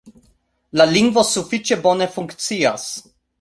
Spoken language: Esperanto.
La lingvo sufiĉe bone funkcias.